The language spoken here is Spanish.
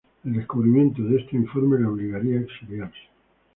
El descubrimiento de este informe le obligaría a exiliarse.